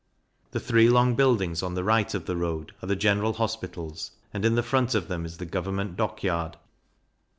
The three long buildings, on the right of the road, are the General Hospitals; and in the front of them is the Government Dock yard.